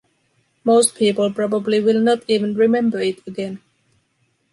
Most people probably will not even remember it again.